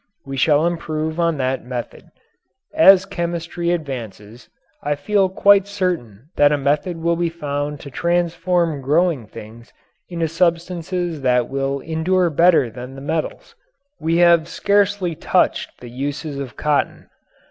We shall improve on that method. As chemistry advances I feel quite certain that a method will be found to transform growing things into substances that will endure better than the metals we have scarcely touched the uses of cotton.